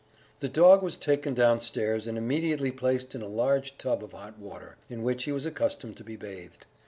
The dog was taken downstairs, and immediately placed in a large tub of hot water, in which he was accustomed to be bathed.